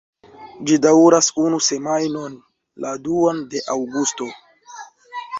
Ĝi daŭras unu semajnon, la duan de aŭgusto.